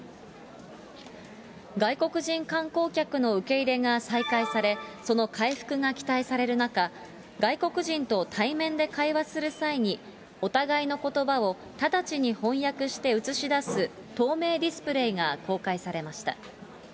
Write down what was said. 外国人観光客の受け入れが再開され、その回復が期待される中、外国人と対面で会話する際に、お互いのことばを直ちに翻訳して映し出す透明ディスプレーが公開